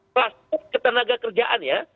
plastik ketenaga kerjaan ya